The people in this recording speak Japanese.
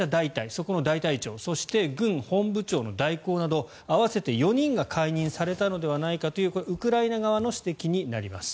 そこの大隊長そして軍本部長の代行など合わせて４人が解任されたのではないかというウクライナ側の指摘になります。